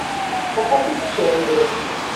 Aṭas i yečča iḍelli.